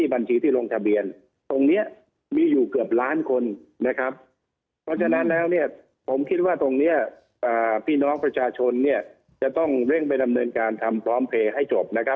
เร่งประจำเนินการทำพร้อมเพลย์ให้จบนะครับ